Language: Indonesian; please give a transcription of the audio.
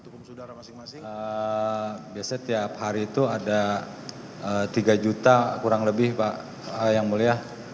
untuk kementerian pertanian yang dikeluarkan setiap hari itu ada tiga juta kurang lebih pak yang mulia